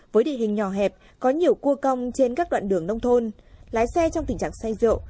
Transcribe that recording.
với địa hình nhỏ hẹp có nhiều cua cong trên các đoạn đường nông thôn lái xe trong tình trạng say rượu